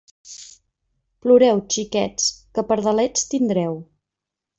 Ploreu, xiquets, que pardalets tindreu.